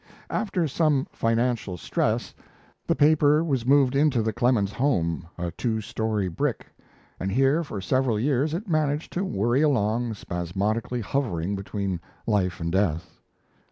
After some financial stress, the paper was moved into the Clemens home, a "two story brick"; and here for several years it managed to worry along, spasmodically hovering between life and death.